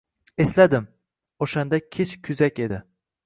Esladim: o’shanda kech kuzak edi